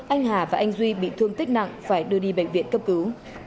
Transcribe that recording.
anh hà và anh duy bị thương tích nặng phải đưa đi bệnh viện cấp cứu